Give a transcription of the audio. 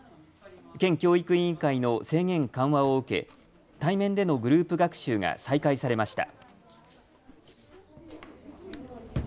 県教育委員会の制限緩和を受け対面でのグループ学習が再開されました。